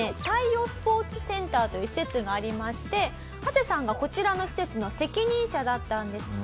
鯛生スポーツセンターという施設がありましてハセさんがこちらの施設の責任者だったんです。